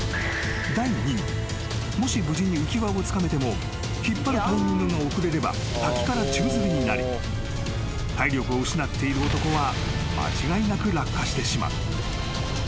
［第二にもし無事に浮輪をつかめても引っ張るタイミングが遅れれば滝から宙づりになり体力を失っている男は間違いなく落下してしまう］